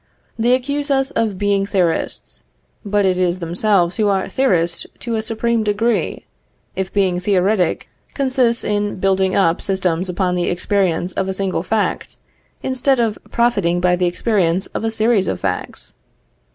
They accuse us of being theorists, but it is themselves who are theorists to a supreme degree, if being theoretic consists in building up systems upon the experience of a single fact, instead of profiting by the experience of a series of facts.